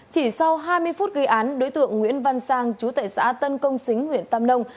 chỉ sau hai mươi phút ghi án đối tượng nguyễn văn sang chú tại xã tân công xính huyện tâm nông